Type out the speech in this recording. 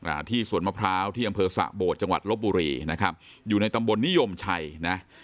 อ่าที่สวนมะพร้าวที่อำเภอสะโบดจังหวัดลบบุรีนะครับอยู่ในตำบลนิยมชัยนะ